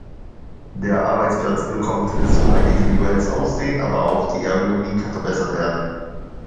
Der Arbeitsplatz bekommt so ein individuelles Aussehen, aber auch die Ergonomie kann verbessert werden.